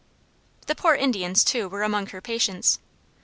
The poor Indians, too, were among her patients.